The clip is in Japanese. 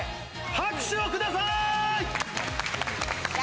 拍手をください！